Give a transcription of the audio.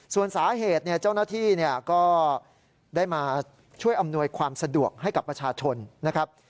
ส่วนสาเหตุเนี่ยเจ้าหน้าที่ก็ได้มาช่วยอำนวยความสะดวกให้กับประชาชนนะครับ